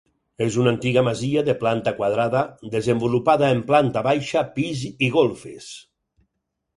És una antiga masia de planta quadrada, desenvolupada en planta baixa, pis i golfes.